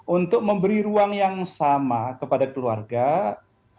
untuk memberi ruang yang sama kepada keluarga brigadir c